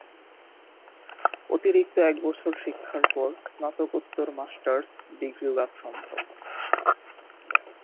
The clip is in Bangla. অতিরিক্ত এক বছর শিক্ষার পর স্নাতকোত্তর মাস্টার্স ডিগ্রী লাভ সম্ভব।